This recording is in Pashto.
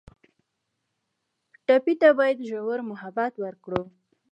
ټپي ته باید ژور محبت ورکړو.